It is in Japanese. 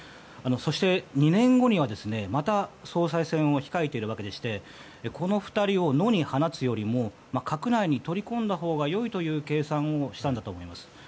そして、２年後にはまた総裁選を控えているわけでしてこの２人を野に放つよりも閣内に取り込んだほうが良いという計算をしたんだと思います。